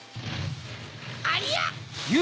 ありゃ？